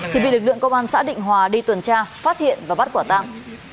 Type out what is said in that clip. thì bị lực lượng công an xã đình hòa đi tuần tra phát hiện và bắt quả tạm